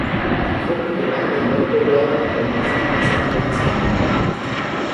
Die Gruppe gewann den Wettbewerb an der Musikmesse in Luzern.